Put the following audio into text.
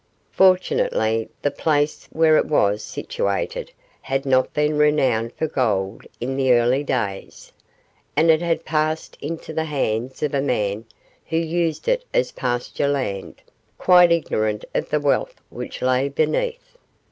Fortunately the place where it was situated had not been renowned for gold in the early days, and it had passed into the hands of a man who used it as pasture land, quite ignorant of the wealth which lay beneath.